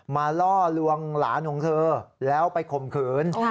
ล่อลวงหลานของเธอแล้วไปข่มขืน